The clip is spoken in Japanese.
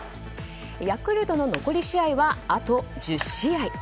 ヤクルトの残り試合はあと１０試合。